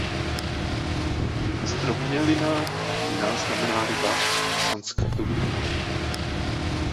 Zdrobnělina Mina znamená "ryba" v Sanskrtu.